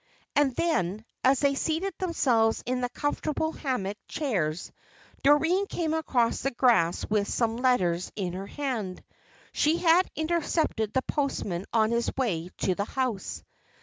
And then, as they seated themselves in the comfortable hammock chairs, Doreen came across the grass with some letters in her hand. She had intercepted the postman on his way to the house.